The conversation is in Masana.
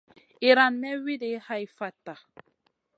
Iran may wuidi hai fatta.